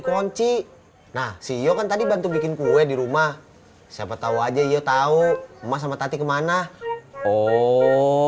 kunci nah ceo kan tadi bantu bikin kue di rumah siapa tahu aja iya tahu emas sama tati kemana oh